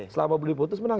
selama beli putus menang